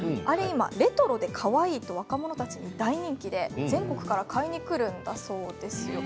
レトロでかわいいと若者たちに大人気で全国から買いに来るそうです。